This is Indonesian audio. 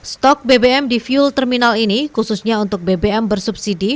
stok bbm di fuel terminal ini khususnya untuk bbm bersubsidi